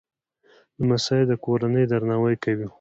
لمسی د کورنۍ درناوی کوي.